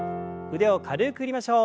腕を軽く振りましょう。